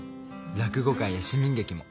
落語会や市民劇も。